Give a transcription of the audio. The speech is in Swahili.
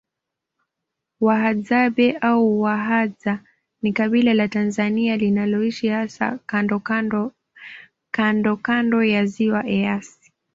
Wahadzabe au Wahadza ni kabila la Tanzania linaloishi hasa kandooando ya ziwa Eyasi